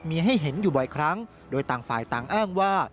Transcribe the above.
มีให้เห็นอยู่บ่อยครั้งโดยต่างฝ่ายต่างอ้างว่า